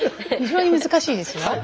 非常に難しいですよ。